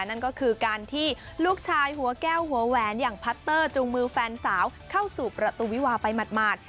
นั่นก็คือการที่ลูกชายหัวแก้วหัวแหวนอย่างพัตเตอร์จูงมือแฟนสาวเข้าสู่ประตูวิวาไปหมาด